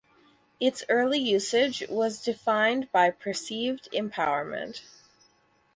Its early usage was defined by perceived empowerment.